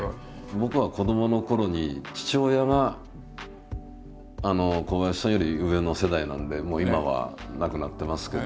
僕は子どものころに父親が小林さんより上の世代なんでもう今は亡くなってますけど。